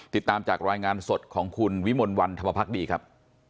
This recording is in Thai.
ติดตามจากรายงานสดของคุณวิมลวันธรรมพักดีครับ